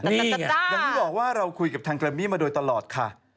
นี่ไงอย่างที่บอกว่าเราคุยกับทางแกรมมี่มาโดยตลอดค่ะ